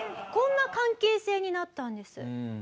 こんな関係性になったんです。